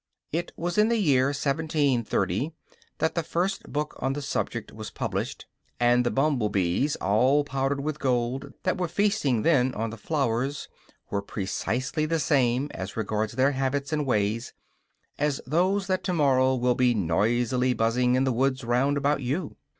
It was in the year 1730 that the first book on the subject was published; and the humble bees, all powdered with gold, that were feasting then on the flowers, were precisely the same, as regards their habits and ways, as those that to morrow will be noisily buzzing in the woods round about you.